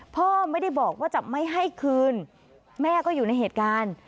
พ่อไม่ได้บอกว่าจะไม่ให้คืนแม่ก็อยู่ในเหตุการณ์